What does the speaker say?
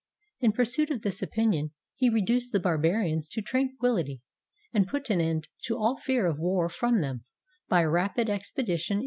In pursuit of this opinion, he reduced the barbarians to tranquillity, and put an end to all fear of war from them, by a rapid expedition into ^ From Plutarch's Lives.